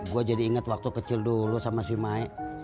gue jadi inget waktu kecil dulu sama si maek